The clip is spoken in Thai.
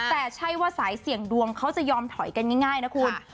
แต่ใช่ว่าสายเสี่ยงดวงเขาจะยอมถอยกันง่ายนะคุณ